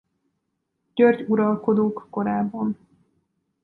György uralkodók korában.